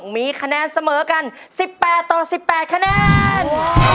มีคะแนนเสมอกัน๑๘ต่อ๑๘คะแนน